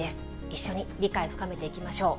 一緒に理解を深めていきましょう。